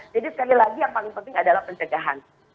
jadi sekali lagi yang paling penting adalah pencegahan